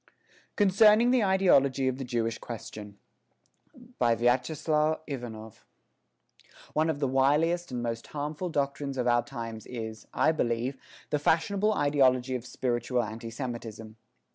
_ CONCERNING THE IDEOLOGY OF THE JEWISH QUESTION BY VYACHESLAV IVANOV One of the wiliest and the most harmful doctrines of our times is, I believe, the fashionable ideology of spiritual anti Semitism.